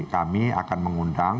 kami akan mengundang